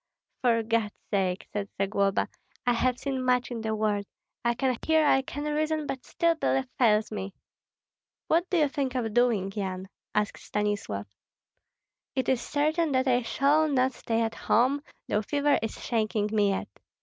"For God's sake," said Zagloba, "I have seen much in the world. I can hear, I can reason, but still belief fails me." "What do you think of doing, Yan?" asked Stanislav. "It is certain that I shall not stay at home, though fever is shaking me yet.